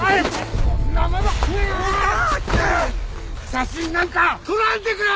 写真なんか撮らんでくれ！！